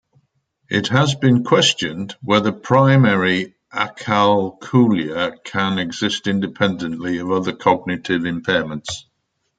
It has been questioned whether primary acalculia can exist independently of other cognitive impairments.